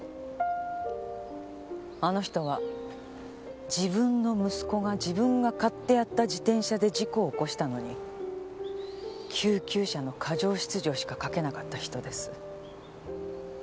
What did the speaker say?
あの人は自分の息子が自分が買ってやった自転車で事故を起こしたのに救急車の過剰出場しか書けなかった人です。